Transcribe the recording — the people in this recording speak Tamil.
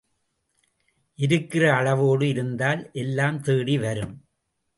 இருக்கிற அளவோடு இருந்தால் எல்லாம் தேடி வரும்.